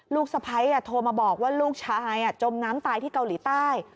สะพ้ายโทรมาบอกว่าลูกชายจมน้ำตายที่เกาหลีใต้